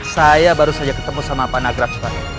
saya baru saja ketemu sama panagraj pak